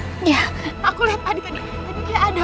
iya aku liat adi tadi